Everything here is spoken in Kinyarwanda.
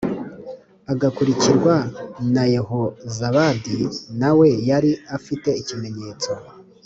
Agakurikirwa na Yehozabadi na we yari afite ikimenyetso